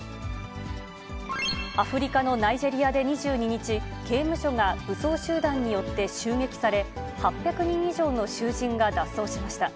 アフリカのナイジェリアで２２日、刑務所が武装集団によって襲撃され、８００人以上の囚人が脱走しました。